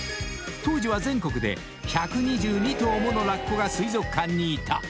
［当時は全国で１２２頭ものラッコが水族館にいた］